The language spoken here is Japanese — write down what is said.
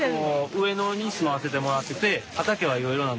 上野に住まわせてもらってて畑はいろいろなんですけど。